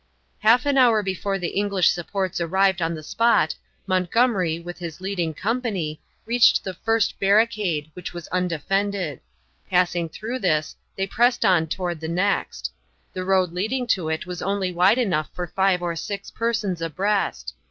Half an hour before the English supports arrived on the spot Montgomery, with his leading company, reached the first barricade, which was undefended; passing through this, they pressed on toward the next. The road leading to it was only wide enough for five or six persons abreast.